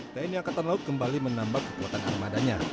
tni angkatan laut kembali menambah kekuatan armadanya